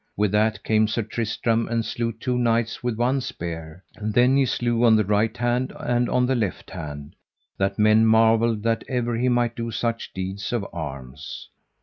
With that came Sir Tristram and slew two knights with one spear; then he slew on the right hand and on the left hand, that men marvelled that ever he might do such deeds of arms.